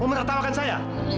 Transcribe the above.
mau menertawakan saya